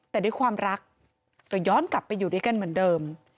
แต่ด้วยความรักจะย้อนกลับไปอยู่ด้วยกันเหมือนเดิม